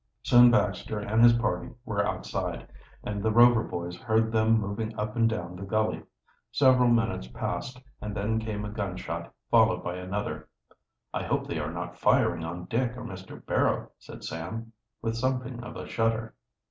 Soon Baxter and his party were outside, and the Rover boys heard them moving up and down the gully. Several minutes passed, and then came a gunshot, followed by another. "I hope they are not firing on Dick or Mr. Barrow," said Sam, with something of a shudder.